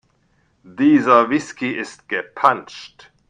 Dieser Whisky ist gepanscht.